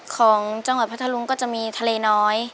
ของจังหวัดพัทธรุงก็จะมีทะเลน้อย